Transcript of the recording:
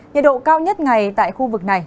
nhiệt độ cao nhất ngày tại khu vực này